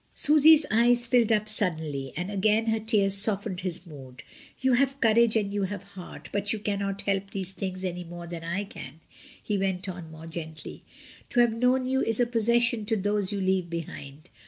Susy's eyes filled up suddenly, and again her tears soflened his mood. "You have courage and you have heart, but you cannot help these things any more than I can," he went on more gently. "To have known you is a possession to those you leave behind.